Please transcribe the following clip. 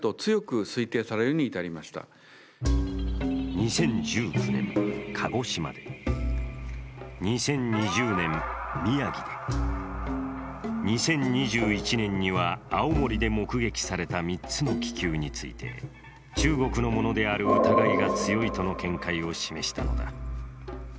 ２０１９年、鹿児島で、２０２０年、宮城で２０２１年には青森で目撃された３つの気球について、中国のものである疑いが強いとの見解を示したのだ。